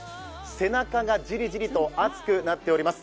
背中がジリジリと暑くなっております。